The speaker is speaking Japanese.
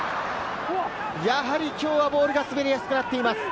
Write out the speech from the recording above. やはりきょうはボールが滑りやすくなっています。